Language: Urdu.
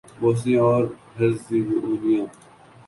بوسنیا اور ہرزیگووینا